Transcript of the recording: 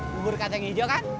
bubur kacang hijau kan